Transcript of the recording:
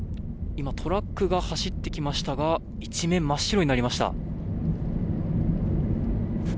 今、トラックが走ってきましたが一面真っ白になりました。